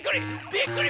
びっくり！